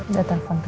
udah telepon lagi